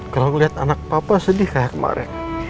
kalau melihat anak papa sedih kayak kemarin